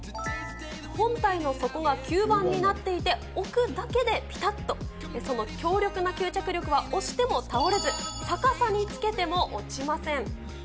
本体の底が吸盤になっていて、奥だけでぴたっと、その強力な吸着力は押しても倒れず、逆さにつけても落ちません。